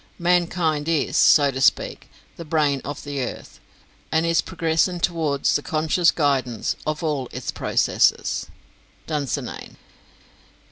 Mankind is, so to speak, the brain of the earth, and is progressing towards the conscious guidance of all its processes." "Dunsinane."